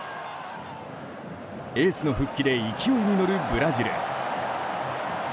エースの復帰で勢いに乗るブラジル。